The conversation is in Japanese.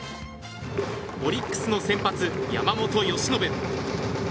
オリックスの先発、山本由伸。